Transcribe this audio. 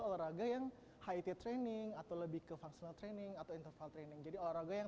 olahraga yang hit training atau lebih ke fungsional training atau interval training jadi olahraga yang